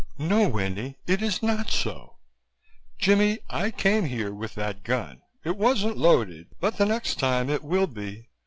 "No, Winnie, it is not so. Jimmie, I came here with that gun. It wasn't loaded but the next time it will be.